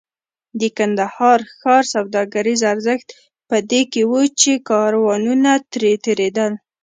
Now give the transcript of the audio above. د کندهار ښار سوداګریز ارزښت په دې کې و چې کاروانونه ترې تېرېدل.